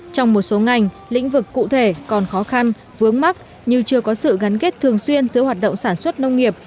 trong một số ngành lĩnh vực cụ thể còn khó khăn vướng mắt như chưa có sự gắn kết thường xuyên giữa hoạt động sản xuất nông nghiệp